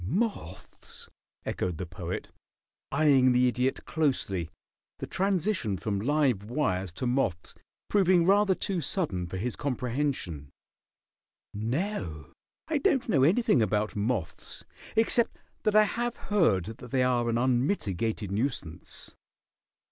"Moths?" echoed the Poet, eying the Idiot closely, the transition from live wires to moths proving rather too sudden for his comprehension. "No, I don't know anything about moths except that I have heard that they are an unmitigated nuisance."